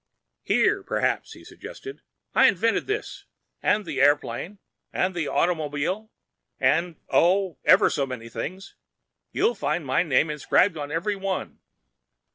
"Here, perhaps?" he suggested. "I invented this. And the airplane, and the automobile, and—oh, ever so many things. You'll find my name inscribed on every one.